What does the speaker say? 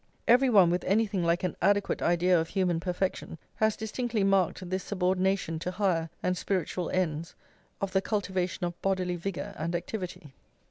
Every one with anything like an adequate idea of human perfection has distinctly marked this subordination to higher and spiritual ends of the cultivation of bodily vigour and activity.